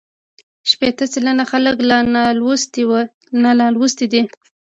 شپېته سلنه خلک لا نالوستي دي.